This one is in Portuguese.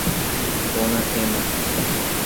Dona Emma